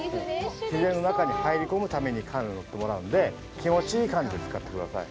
自然の中に入り込むためにカヌーに乗ってもらうので気持ちいい感じで使ってください。